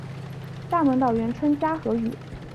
厦门岛原称嘉禾屿。